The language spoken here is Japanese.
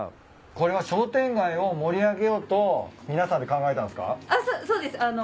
これは商店街を盛り上げようと皆さんで考えたんすか？